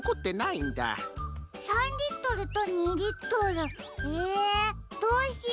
３リットルと２リットル？えどうしよう。